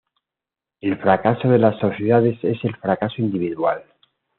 El fracaso de las sociedades es el fracaso individual.